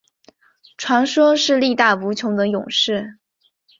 传说是力大无穷的勇士。